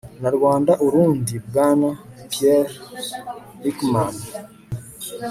na rwanda-urundi, bwana pierre ryckmans